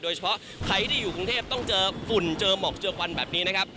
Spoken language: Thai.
โดยเฉพาะใครที่อยู่กรุงเทพต้องเจอฝุ่นเจอหมอกเจอควันแบบนี้นะครับ